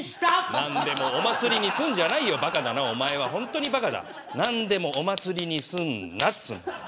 何でもお祭りにすんじゃないよばかだな、お前は本当にばかだ何でもお祭りにすんなっつうの。